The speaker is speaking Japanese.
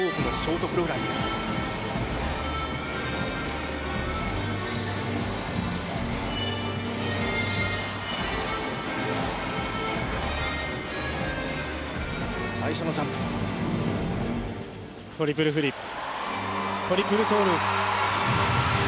トリプルフリップトリプルトウループ。